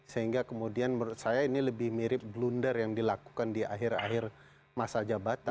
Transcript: sehingga kemudian menurut saya ini lebih mirip blunder yang dilakukan di akhir akhir masa jabatan